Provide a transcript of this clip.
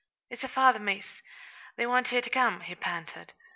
"It's yer father, miss. They want ye ter come," he panted.